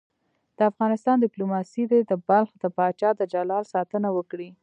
د افغانستان دیپلوماسي دې د بلخ د پاچا د جلال ساتنه وکړي.